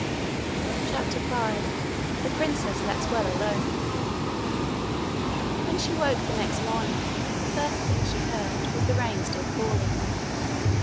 CHAPTER 5 The Princess Lets Well Alone When she woke the next morning, the first thing she heard was the rain still falling.